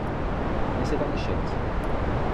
Mais c'est un échec.